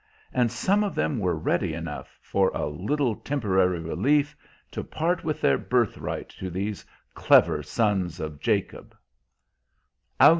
And some of them were ready enough, for a little temporary relief, to part with their birthright to these clever sons of Jacob.